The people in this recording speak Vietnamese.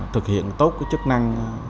thực hiện tốt chức năng